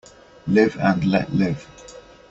Live and let live.